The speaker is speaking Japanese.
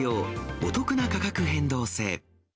お得な価格変動制。